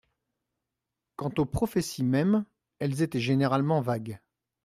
Quant aux prophéties mêmes, elles étaient généralement vagues.